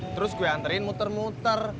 terus gue anterin muter muter